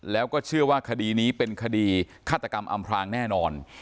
แล้วก็เชื่อว่าคดีนี้เป็นคดีฆาตกรรมอำพลางแน่นอน